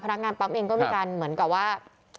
นักงานปั๊มเองก็มีการเหมือนกับว่า